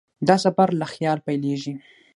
دا سفر له خیال پیلېږي.